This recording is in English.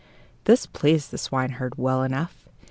This pleased the swineherd well enough.